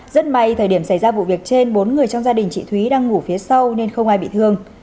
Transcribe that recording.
rất may thời điểm xảy ra vụ việc trên bốn người trong gia đình chị thúy đang ngủ phía sau nên không ai bị thương